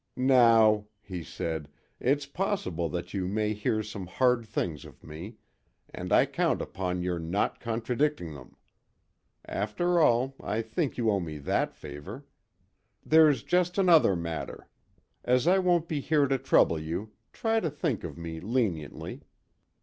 "Now," he said, "it's possible that you may hear some hard things of me, and I count upon your not contradicting them. After all, I think you owe me that favour. There's just another matter as I won't be here to trouble you, try to think of me leniently."